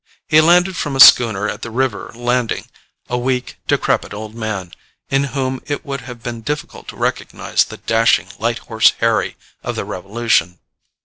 He landed from a schooner at the river landing, a weak, decrepit old man, in whom it would have been difficult to recognize the dashing Light Horse Harry of the Revolution.